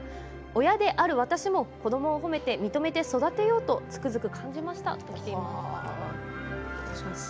親である私も子どもを褒めて認めて育てようとつくづく感じましたときています。